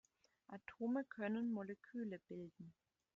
Atome können Moleküle bilden.